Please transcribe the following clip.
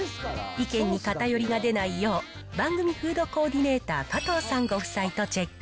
意見に偏りが出ないよう、番組フードコーディネーター、加藤さんご夫妻とチェック。